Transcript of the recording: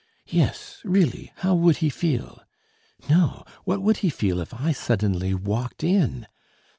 Yes, really how would he feel? No, what would he feel if I suddenly walked in?